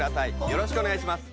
よろしくお願いします。